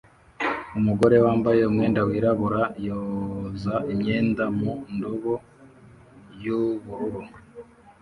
Umugore wambaye umwenda wirabura yoza imyenda mu ndobo yubururu